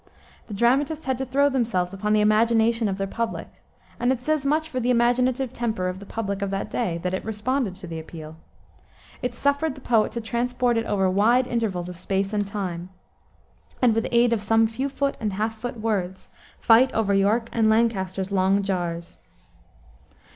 The dramatists had to throw themselves upon the imagination of their public, and it says much for the imaginative temper of the public of that day, that it responded to the appeal. It suffered the poet to transport it over wide intervals of space and time, and "with aid of some few foot and half foot words, fight over York and Lancaster's long jars."